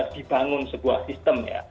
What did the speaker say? dibangun sebuah sistem ya